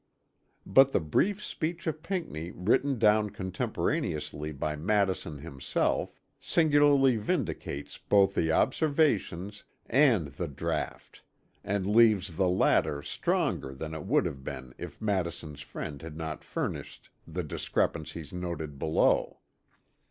But the brief speech of Pinckney written down contemporaneously by Madison himself, singularly vindicates both the Observations and the draught and leaves the latter stronger than it would have been if Madison's friend had not furnished "the discrepancies noted below."